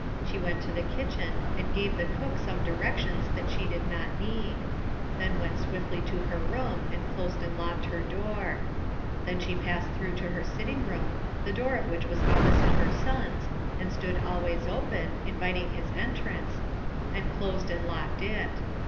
She went to the kitchen and gave the cook some directions that she did not need; then went swiftly to her room and closed and locked her door. Then she passed through to her sitting room, the door of which was opposite her son's, and stood always open, inviting his entrance, and closed and locked it.